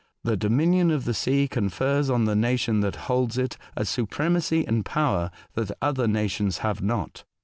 The dominion of the sea confers on the nation that holds it a supremacy and power that other nations have not.